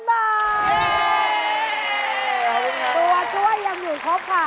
ตัวช่วยยังอยู่ครบค่ะ